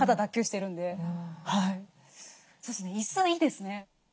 そうですね椅子いいですね。